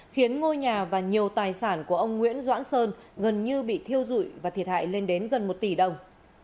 khiến ngôi nhà và nhiều tài sản của ông nguyễn doãn sơn gần như bị thiêu dụi và thiệt hại lên đến gần một tỷ đồng